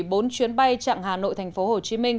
bốn chuyến bay chặng hà nội thành phố hồ chí minh